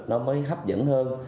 nó mới hấp dẫn hơn